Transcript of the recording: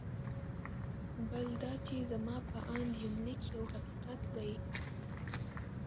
بل دا چې زما په اند یونلیک یو حقیقت دی.